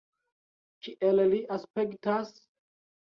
Kiel li aspektas?